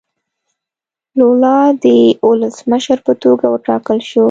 لولا د ولسمشر په توګه وټاکل شو.